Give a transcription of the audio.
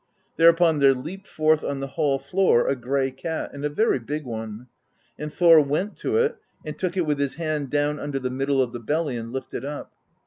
Thereupon there leaped forth on the hall floor a gray cat, and a very big one; and Thor went to it and took it with his hand down under the middle of the belly and lifted up.